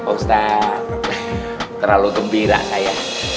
ustadz terlalu tumpirak saya